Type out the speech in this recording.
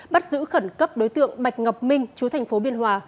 bắt giữ khẩn cấp đối tượng bạch ngọc minh chú thành phố biên hòa